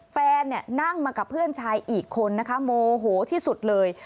แฟนนั่งมากับเพื่อนชายอีกคนนะคะโมโหที่สุดเลย